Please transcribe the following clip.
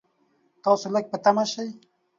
تاسو لږ په طمعه شئ.